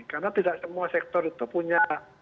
karena tidak semua sektor itu punya